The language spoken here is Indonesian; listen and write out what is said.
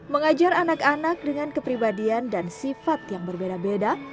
mengajar anak anak dengan kepribadian dan sifat yang berbeda beda